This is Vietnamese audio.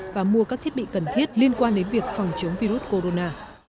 và mua các thiết bị cần thiết liên quan đến việc phòng chống virus corona